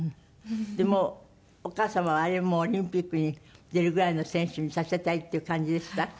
でもうお母様はオリンピックに出るぐらいの選手にさせたいっていう感じでした？